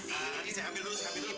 ini saya ambil dulu saya ambil dulu